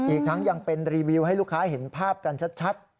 อีกทั้งยังเป็นรีวิวให้ลูกค้าเห็นภาพกันชัด